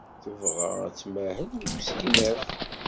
Tebɣa ad tmahel deg usegnaf.